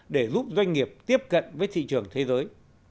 để giúp doanh nghiệp tiếp cận với thị trường thế giới